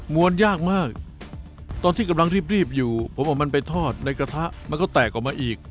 วนยากมากตอนที่กำลังรีบอยู่ผมเอามันไปทอดในกระทะมันก็แตกออกมาอีก